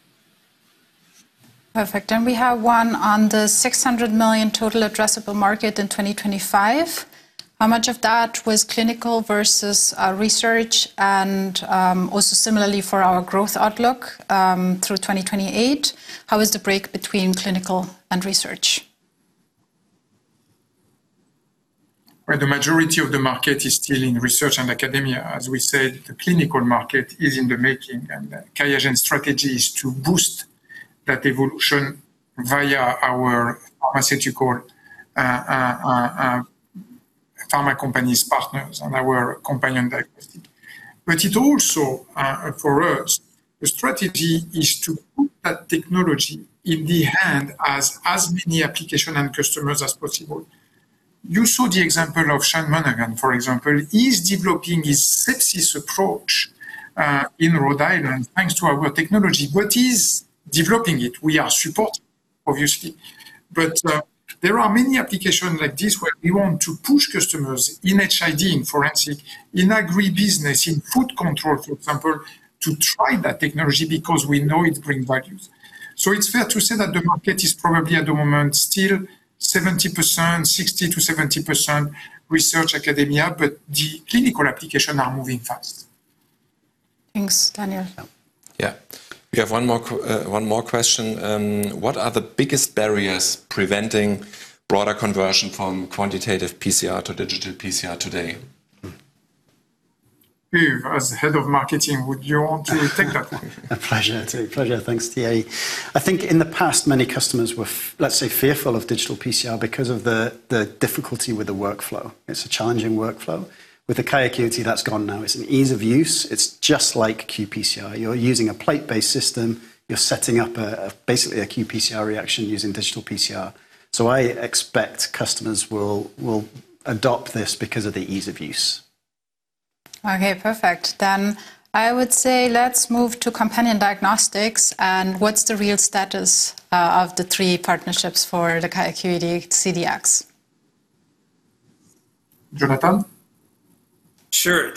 Perfect. We have one on the 600 million total addressable market in 2025. How much of that was clinical versus our research? Also similarly for our growth outlook through 2028, how is the break between clinical and research? Well, the majority of the market is still in research and academia. As we said, the clinical market is in the making, the QIAGEN strategy is to boost that evolution via our pharmaceutical company partners and our companion diagnostic. It also, for us, the strategy is to put that technology in the hand as many application and customers as possible. You saw the example of Sean Monaghan, for example. He's developing his sepsis approach in Rhode Island thanks to our technology. He's developing it. We are supporting, obviously. There are many applications like this where we want to push customers in HID, in forensic, in agribusiness, in food control, for example, to try that technology because we know it brings values. It's fair to say that the market is probably at the moment still 60%-70% research academia, but the clinical application are moving fast. Thanks. Daniel? Yeah. We have one more question. What are the biggest barriers preventing broader conversion from quantitative PCR to digital PCR today? Huw, as Head of Marketing, would you want to take that one? A pleasure. Thanks, Thierry. I think in the past, many customers were, let's say, fearful of digital PCR because of the difficulty with the workflow. It's a challenging workflow. With the QIAcuity, that's gone now. It's an ease of use. It's just like qPCR. You're using a plate-based system. You're setting up basically a qPCR reaction using digital PCR. I expect customers will adopt this because of the ease of use. Okay, perfect. I would say let's move to companion diagnostics and what's the real status of the three partnerships for the QIAcuityDx? Jonathan? Sure.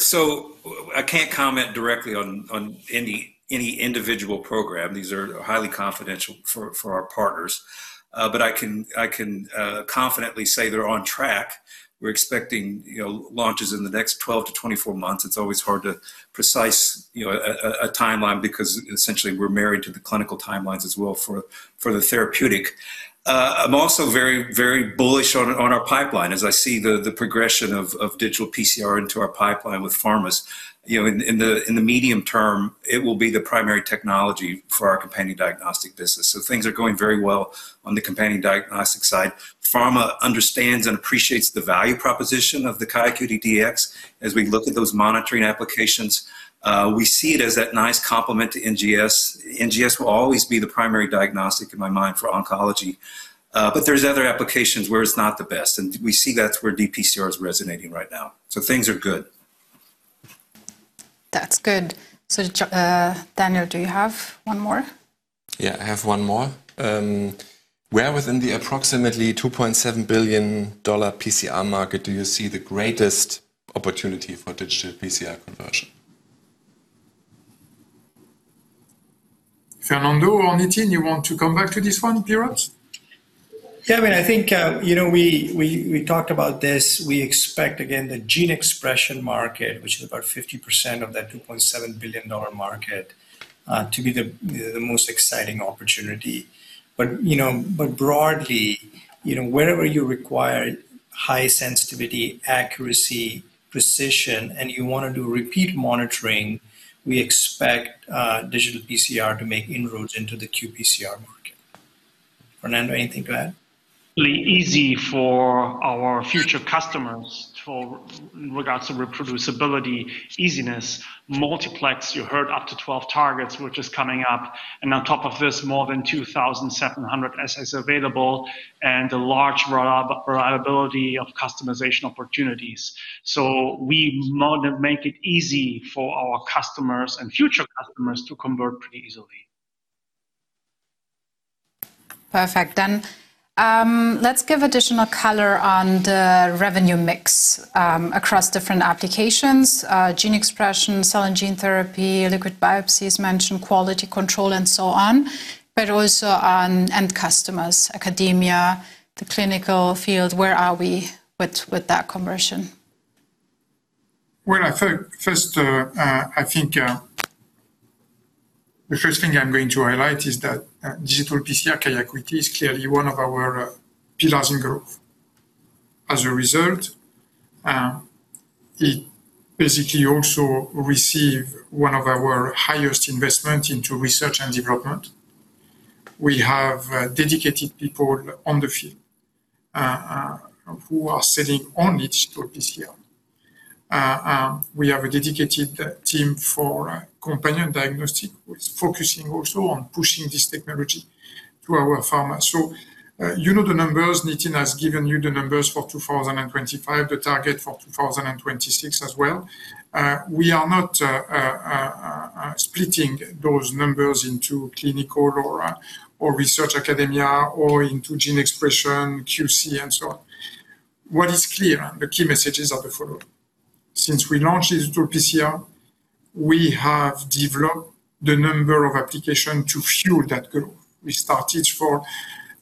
I can't comment directly on any individual program. These are highly confidential for our partners. I can confidently say they're on track. We're expecting launches in the next 12-24 months. It's always hard to precise a timeline because essentially we're married to the clinical timelines as well for the therapeutic. I'm also very bullish on our pipeline as I see the progression of digital PCR into our pipeline with pharmas. In the medium term, it will be the primary technology for our companion diagnostic business. Things are going very well on the companion diagnostic side. Pharma understands and appreciates the value proposition of the QIAcuityDx. As we look at those monitoring applications, we see it as that nice complement to NGS. NGS will always be the primary diagnostic in my mind for oncology, there's other applications where it's not the best, and we see that's where dPCR is resonating right now. Things are good. That's good. Daniel, do you have one more? Yeah, I have one more. Where within the approximately $2.7 billion PCR market do you see the greatest opportunity for digital PCR conversion? Fernando or Nitin, you want to come back to this one perhaps? Yeah, I think we talked about this. We expect, again, the gene expression market, which is about 50% of that $2.7 billion market, to be the most exciting opportunity. Broadly, wherever you require high sensitivity, accuracy, precision, and you want to do repeat monitoring, we expect digital PCR to make inroads into the qPCR market. Fernando, anything to add? Easy for our future customers for regards to reproducibility, easiness, multiplex, you heard up to 12 targets, which is coming up, and on top of this, more than 2,700 assays available and a large reliability of customization opportunities. We want to make it easy for our customers and future customers to convert pretty easily. Perfect. Let's give additional color on the revenue mix across different applications, gene expression, cell and gene therapy, liquid biopsies, mention quality control, and so on, but also on end customers, academia, the clinical field. Where are we with that conversion? Well, I think the first thing I'm going to highlight is that digital PCR QIAcuity is clearly one of our pillars in growth. As a result, it basically also receive one of our highest investment into research and development. We have dedicated people on the field who are sitting on digital PCR. We have a dedicated team for companion diagnostic, who is focusing also on pushing this technology to our pharma. You know the numbers. Nitin has given you the numbers for 2025, the target for 2026 as well. We are not splitting those numbers into clinical or research academia or into gene expression, QC, and so on. What is clear, the key messages are the following. Since we launched digital PCR We have developed the number of application to fuel that growth. We started for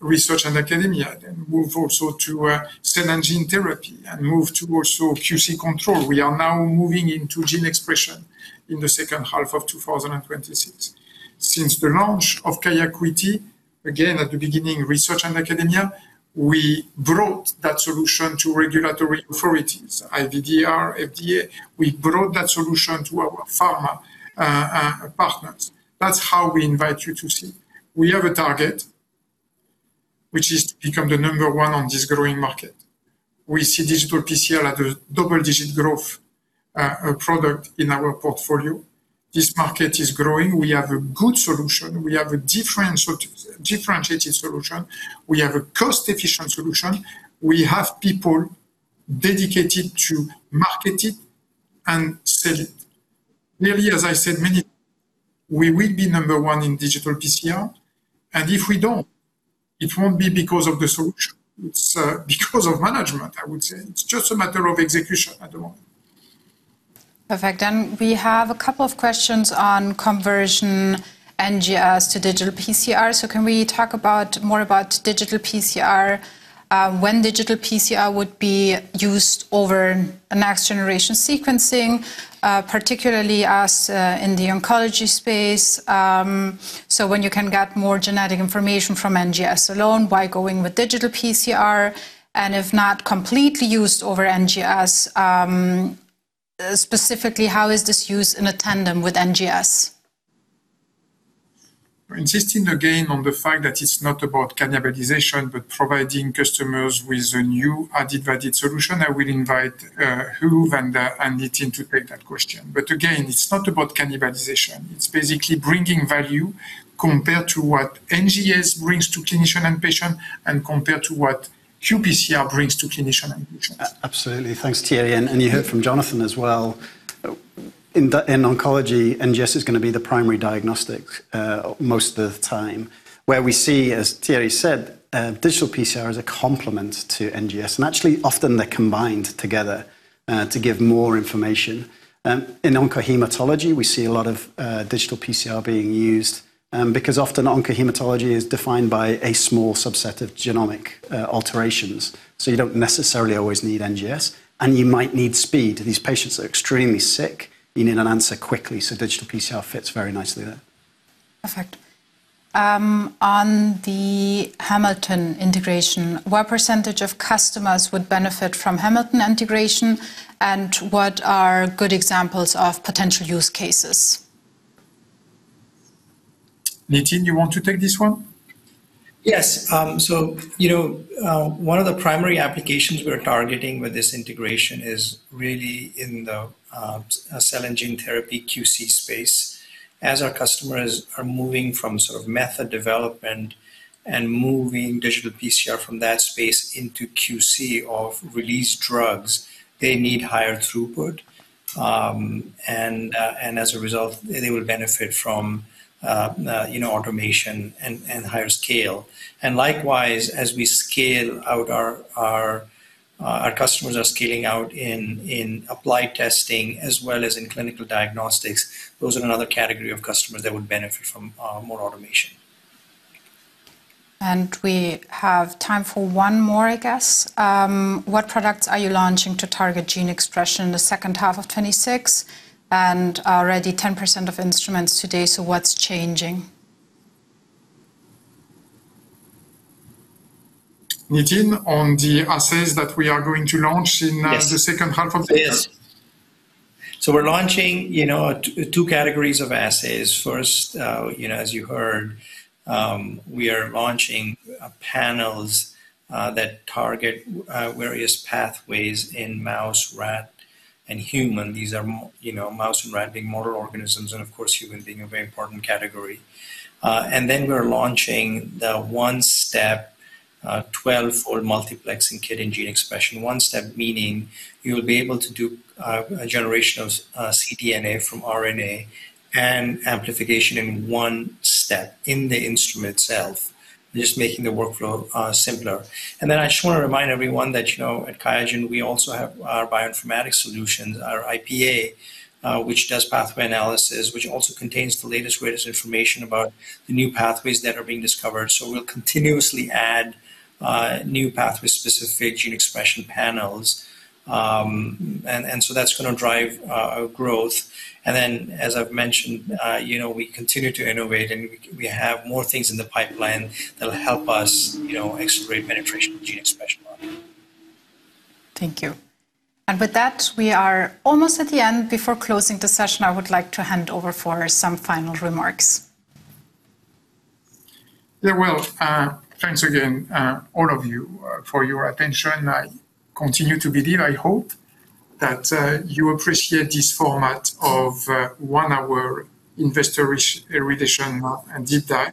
research and academia, then move also to, cell and gene therapy, and move to also QC control. We are now moving into gene expression in the second half of 2026. Since the launch of QIAcuity, again, at the beginning, research and academia, we brought that solution to regulatory authorities, IVDR, FDA. We brought that solution to our pharma partners. That's how we invite you to see. We have a target, which is to become the number 1 on this growing market. We see digital PCR as a double-digit growth product in our portfolio. This market is growing. We have a good solution. We have a differentiated solution. We have a cost-efficient solution. We have people dedicated to market it and sell it. Nearly as I said many, we will be number one in digital PCR, and if we don't, it won't be because of the solution. It's because of management, I would say. It's just a matter of execution at the moment. Perfect. We have a couple of questions on conversion NGS to digital PCR. Can we talk more about digital PCR, when digital PCR would be used over a next-generation sequencing, particularly as in the oncology space? When you can get more genetic information from NGS alone by going with digital PCR, and if not completely used over NGS, specifically, how is this used in a tandem with NGS? Insisting again on the fact that it's not about cannibalization, but providing customers with a new added-value solution, I will invite Huw and Nitin to take that question. Again, it's not about cannibalization. It's basically bringing value compared to what NGS brings to clinician and patient and compared to what qPCR brings to clinician and patients. Absolutely. Thanks, Thierry. You heard from Jonathan as well. In oncology, NGS is going to be the primary diagnostic most of the time. Where we see, as Thierry said, digital PCR as a complement to NGS, and actually, often they're combined together, to give more information. In oncohematology, we see a lot of digital PCR being used, because often oncohematology is defined by a small subset of genomic alterations. You don't necessarily always need NGS, and you might need speed. These patients are extremely sick. You need an answer quickly, digital PCR fits very nicely there. Perfect. On the Hamilton integration, what percentage of customers would benefit from Hamilton integration? What are good examples of potential use cases? Nitin, you want to take this one? Yes. One of the primary applications we're targeting with this integration is really in the cell and gene therapy QC space. As our customers are moving from method development and moving digital PCR from that space into QC of released drugs, they need higher throughput. As a result, they will benefit from automation and higher scale. Likewise, as we scale out, our customers are scaling out in applied testing as well as in clinical diagnostics. Those are another category of customers that would benefit from more automation. We have time for one more, I guess. What products are you launching to target gene expression in the second half of 2026 and already 10% of instruments today, what's changing? Nitin, on the assays that we are going to launch the second half of this year. We're launching two categories of assays. First, as you heard, we are launching panels that target various pathways in mouse, rat, and human. These are mouse and rat being model organisms, and of course, human being a very important category. We're launching the one-step, 12 or multiplex in kit in gene expression. One step meaning you'll be able to do a generation of cDNA from RNA and amplification in one step in the instrument itself, just making the workflow simpler. I just want to remind everyone that at QIAGEN, we also have our bioinformatics solutions, our Ingenuity Pathway Analysis, which does pathway analysis, which also contains the latest, greatest information about the new pathways that are being discovered. We'll continuously add new pathway-specific gene expression panels. That's going to drive our growth. As I've mentioned, we continue to innovate, and we have more things in the pipeline that'll help us accelerate penetration of gene expression. Thank you. With that, we are almost at the end. Before closing the session, I would like to hand over for some final remarks. Well, thanks again, all of you, for your attention. I continue to believe, I hope, that you appreciate this format of one-hour investor relation and deep dive.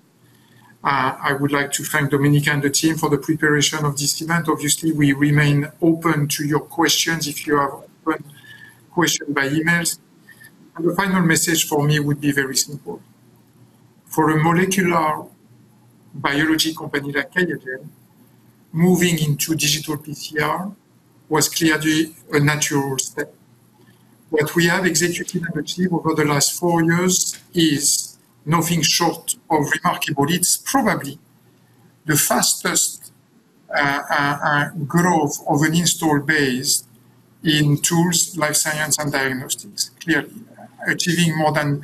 I would like to thank Domenica and the team for the preparation of this event. Obviously, we remain open to your questions if you have any question by emails. The final message for me would be very simple. For a molecular biology company like QIAGEN, moving into digital PCR was clearly a natural step. What we have executed and achieved over the last four years is nothing short of remarkable. It's probably the fastest growth of an installed base in tools, life science, and diagnostics. Clearly, achieving more than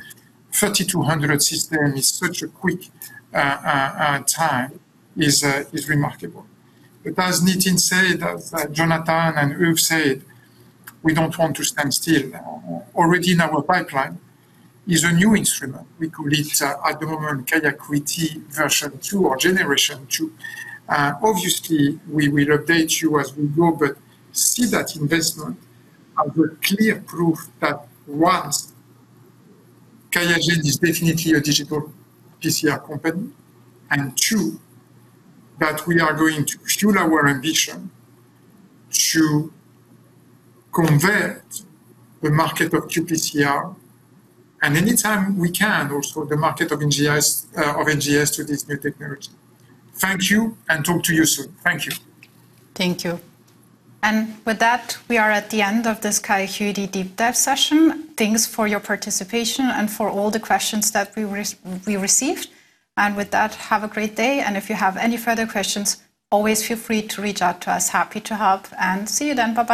3,200 systems in such a quick time is remarkable. As Nitin said, as Jonathan and Huw said, we don't want to stand still. Already in our pipeline is a new instrument. We call it at the moment QIAcuity version 2 or generation 2. Obviously, we will update you as we go, see that investment as a clear proof that, one, QIAGEN is definitely a digital PCR company, and two, that we are going to fuel our ambition to convert the market of qPCR, and any time we can, also the market of NGS to this new technology. Thank you and talk to you soon. Thank you. Thank you. With that, we are at the end of this QIAcuity deep dive session. Thanks for your participation and for all the questions that we received. With that, have a great day. If you have any further questions, always feel free to reach out to us. Happy to help, and see you then. Bye-bye.